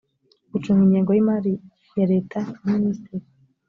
gucunga ingengo y imari ya leta na minisitiri